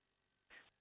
pionir untuk hidup